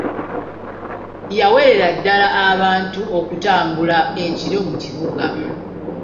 Yawerera ddala abantu okutambula ekiro mu Kibuga.